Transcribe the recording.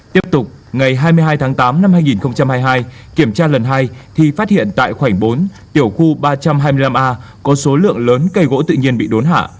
tiếp tục ngày hai mươi hai tháng tám năm hai nghìn hai mươi hai kiểm tra lần hai thì phát hiện tại khoảnh bốn tiểu khu ba trăm hai mươi năm a có số lượng lớn cây gỗ tự nhiên bị đốn hạ